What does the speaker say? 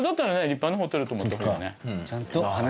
立派なホテル泊まった方がね。